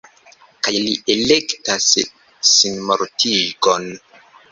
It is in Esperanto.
Kaj li elektas sinmortigon.